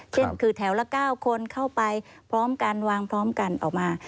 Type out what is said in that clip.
เช่นคือแถวละ๙คนเข้าไปพร้อมกันวางพร้อมกันออกมา